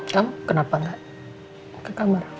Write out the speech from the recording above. tau kenapa gak ke kamar